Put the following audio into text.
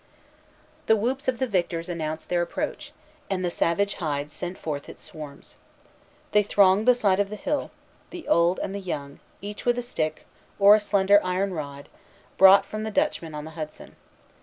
The whoops of the victors announced their approach, and the savage hive sent forth its swarms. They thronged the side of the hill, the old and the young, each with a stick, or a slender iron rod, bought from the Dutchmen on the Hudson.